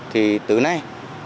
thì từ nay